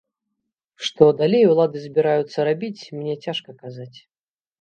Што далей улады збіраюцца рабіць, мне цяжка казаць.